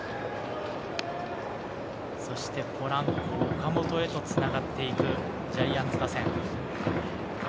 そしてポランコ、岡本へと繋がっていくジャイアンツ打線。